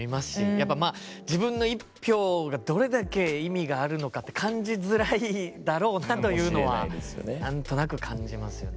やっぱ、まあ、自分の１票がどれだけ意味があるのかって感じづらいだろうなというのはなんとなく感じますよね。